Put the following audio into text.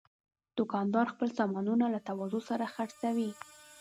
دوکاندار خپل سامانونه له تواضع سره خرڅوي.